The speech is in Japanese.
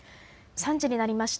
３時になりました。